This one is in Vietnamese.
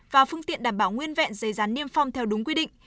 và phương tiện đảm bảo nguyên vẹn dây gián niêm phong theo đúng quy định